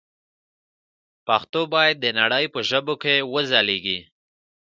پښتو باید د نړۍ په ژبو کې وځلېږي.